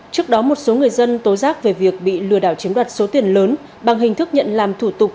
trước đó một số người dân tố giác về việc bị lừa đảo chiếm đoạt số tiền lớn bằng hình thức nhận làm thủ tục